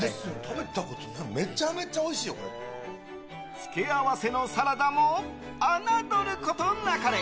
付け合わせのサラダも侮ることなかれ！